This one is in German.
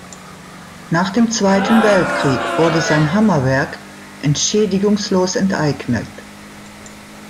Nach dem Zweiten Weltkrieg wurde sein Hammerwerk entschädigungslos enteignet.